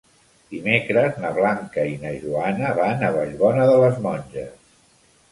Dimecres na Blanca i na Joana van a Vallbona de les Monges.